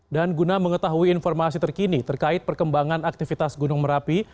dan guna mengetahui informasi terkini terkait perkembangan aktivitas gunung merapi